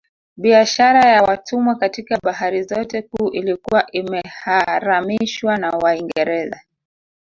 Biashara ya watumwa katika bahari zote kuu ilikuwa imeharamishwa na Waingereza